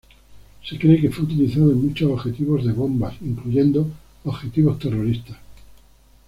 Se cree que fue utilizado en muchos objetivos de bombas, incluyendo objetivos terroristas.